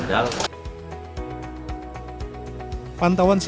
kita harus mencari tempat yang lebih baik